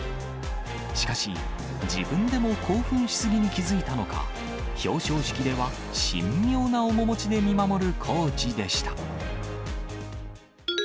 しかし、自分でも興奮し過ぎに気付いたのか、表彰式では神妙な面持ちで見守るコーチでした。